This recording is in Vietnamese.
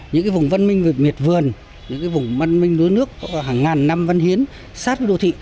những vùng văn minh miệt vườn những vùng văn minh núi nước hàng ngàn năm văn hiến sát với đô thị